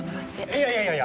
いやいやいやいや！